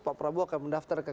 pak prabowo akan mendaftar ke